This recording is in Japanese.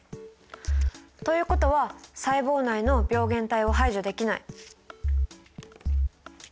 ということは細胞内の病原体を排除できない。